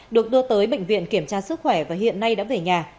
được đưa tới bệnh viện kiểm tra sức khỏe và hiện nay đã về nhà